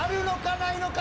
ないのか？